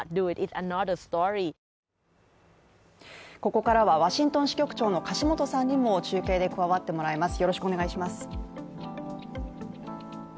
ここからはワシントン支局長の樫元さんにも中継で加わってもらいます。